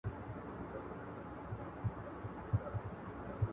په قسم او عدل کې ناروغه او روغه ميرمن څه توپیر لري؟